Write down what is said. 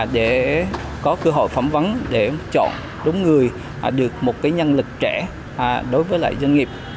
để có cơ hội phỏng vấn để chọn đúng người được một nhân lực trẻ đối với lại doanh nghiệp